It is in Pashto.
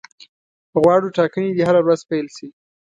غواړو ټاکنې دي هره ورځ پیل شي.